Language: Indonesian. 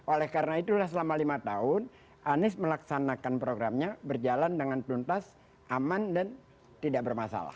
oleh karena itulah selama lima tahun anies melaksanakan programnya berjalan dengan tuntas aman dan tidak bermasalah